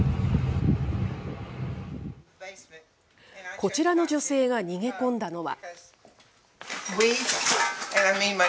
こちらの女性が逃げ込んだのは。